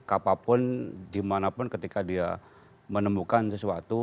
apapun dimanapun ketika dia menemukan sesuatu